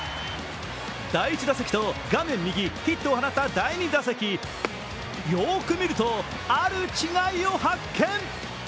第１打席と画面右、ヒットを放った第２打席、よーく見ると、ある違いを発見。